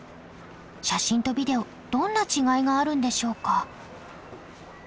写真とビデオどんな違いがあるんでしょうか？